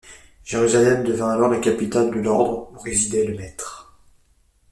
Jérusalem devint alors la capitale de l'ordre où résidait le maître.